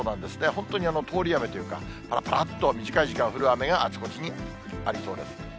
本当に通り雨というか、ぱらっと短い時間降る雨があちこちにありそうです。